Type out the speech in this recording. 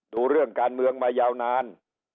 ดูเรื่องการเมืองมายาวนาน